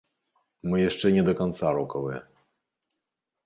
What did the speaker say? Мы яшчэ не да канца рокавыя.